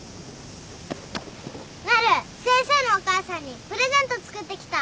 なる先生のお母さんにプレゼント作ってきた。